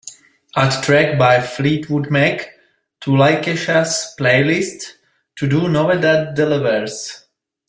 Add track by Fleetwood Mac to lakeisha's playlist TODO NOVEDADelawareS